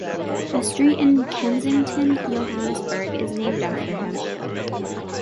A street in Kensington, Johannesburg is named after him.